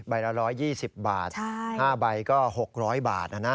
ใบละ๑๒๐บาท๕ใบก็๖๐๐บาท